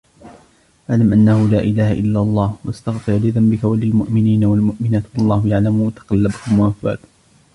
فَاعْلَمْ أَنَّهُ لَا إِلَهَ إِلَّا اللَّهُ وَاسْتَغْفِرْ لِذَنْبِكَ وَلِلْمُؤْمِنِينَ وَالْمُؤْمِنَاتِ وَاللَّهُ يَعْلَمُ مُتَقَلَّبَكُمْ وَمَثْوَاكُمْ